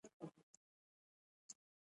که له پېښي وتښتې نو ستونزه نه حل کېږي.